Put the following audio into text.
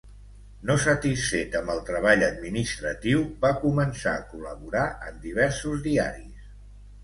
No satisfet amb el treball administratiu, va començar a col·laborar en diversos diaris.